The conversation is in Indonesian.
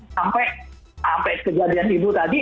sampai kejadian ibu tadi